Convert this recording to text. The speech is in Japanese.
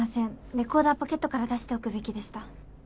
レコーダーポケットから出しておくべきでした。